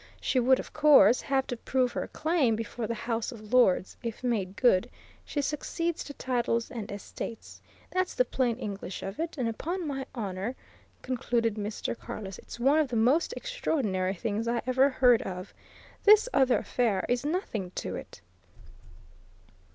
She would, of course, have to prove her claim before the House of Lords if made good, she succeeds to titles and estates. That's the plain English of it and upon my honour," concluded Mr. Carless, "it's one of the most extraordinary things I ever heard of. This other affair is nothing to it!"